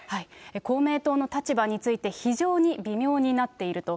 公明党の立場について、非常に微妙になっていると。